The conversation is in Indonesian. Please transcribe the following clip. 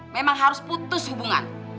memang harus putus hubungan